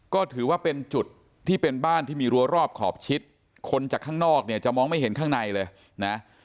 ก็ถือว่าเป็นจุดที่เป็นบ้านที่มีรัวรอบขอบชิดคนจากข้างนอกเนี่ยจะมองไม่เห็นข้างในเลยนะ